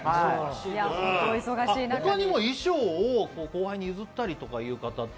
ほかにも衣装を後輩に譲ったりっていう方って？